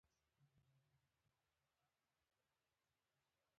غریب د خدای در ته ژاړي